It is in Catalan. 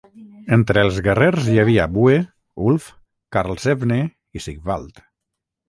Entre els guerrers hi havia Bue, Ulf, Karlsevne i Sigvald.